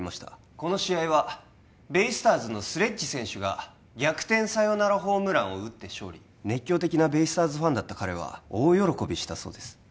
この試合はベイスターズのスレッジ選手が逆転サヨナラホームランを打って勝利熱狂的なベイスターズファンだった彼は大喜びしたそうです